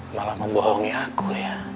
malah membohongi aku ya